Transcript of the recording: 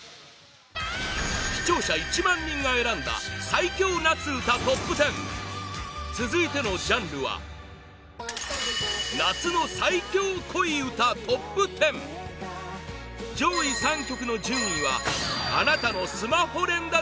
視聴者１万人が選んだ最強夏うたトップ１０続いてのジャンルは夏の最強恋うたトップ１０上位３曲の順位はあなたのスマホ連打